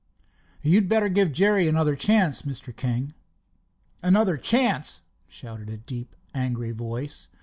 "You'd better give Jerry another chance, Mr. King." "Another chance?" shouted a deep angry voice.